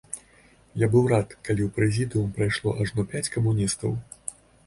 І быў рад, калі ў прэзідыум прайшло ажно пяць камуністаў.